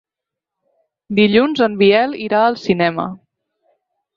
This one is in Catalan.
Dilluns en Biel irà al cinema.